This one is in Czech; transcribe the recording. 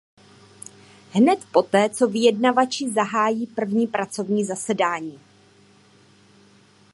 Hned poté, co vyjednavači zahájí první pracovní zasedání.